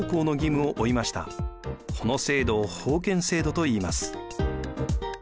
この制度を封建制度といいます。